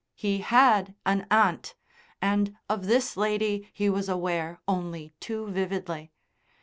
He had an aunt, and of this lady he was aware only too vividly.